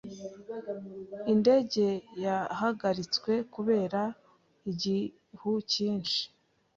Indege yahagaritswe kubera igihu cyinshi.